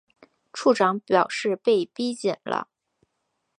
处长表示被逼紧了